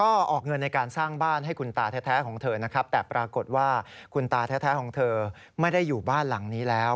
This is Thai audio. ก็ออกเงินในการสร้างบ้านให้คุณตาแท้ของเธอนะครับแต่ปรากฏว่าคุณตาแท้ของเธอไม่ได้อยู่บ้านหลังนี้แล้ว